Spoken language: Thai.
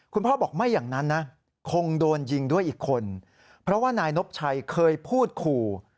พ่อบอกไม่อย่างนั้นนะคงโดนยิงด้วยอีกคนเพราะว่านายนบชัยเคยพูดขู่